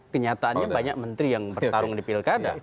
kenyataannya banyak menteri yang bertarung di pilkada